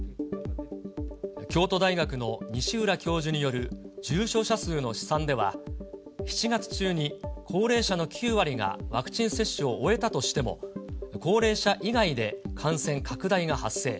京都大学の西浦教授による重症者数の試算では７月中に高齢者の９割がワクチン接種を終えたとしても、高齢者以外で感染拡大が発生。